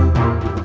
terima kasih pak